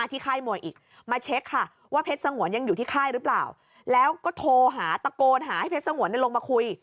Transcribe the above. ตะโกนหาให้เพชรสงวนลงมาคุย